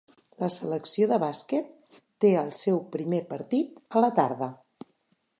La selecció de bàsquet té el seu primer partit a la tarda.